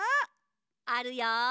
あるよ。